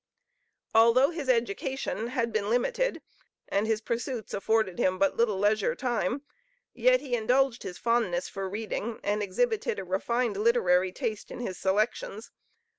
Although his education had been limited, and his pursuits afforded him but little leisure time, yet he indulged his fondness for reading, and exhibited a refined literary taste in his selections.